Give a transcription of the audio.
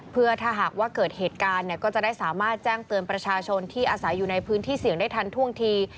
เพื่อถ้าหากว่าเกิดเหตุการณ์เนี่ยก็จะได้สามารถแจ้งเตือนประชาชนที่อาศัยอยู่ในพื้นที่เสี่ยงได้ทันท่วงที